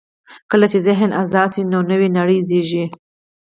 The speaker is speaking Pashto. کله چې ذهن آزاد شي، نوې نړۍ زېږي.